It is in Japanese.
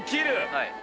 はい。